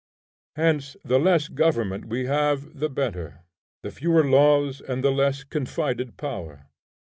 Hence the less government we have the better, the fewer laws, and the less confided power.